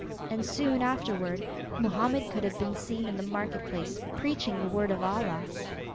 And soon afterward Mohammed could have been seen in the market place preaching the word of Allah.